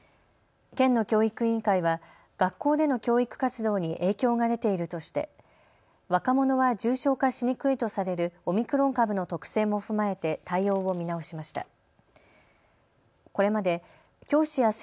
県の教育委員会は学校での教育活動に影響が出ているとして若者は重症化しにくいとされるオミクロン株の特性も踏まえて対応を見直しました。